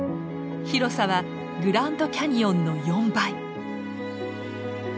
広さはグランドキャニオンの４倍。